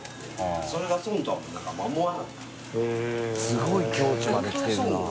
すごい境地まで来てるな。